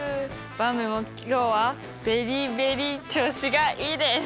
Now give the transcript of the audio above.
ばんびも今日はベリーベリー調子がいいです。